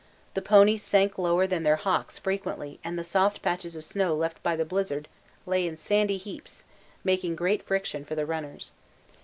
The ponies sank lower than their hocks frequently and the soft patches of snow left by the blizzard lay in sandy heaps, making great friction for the runners.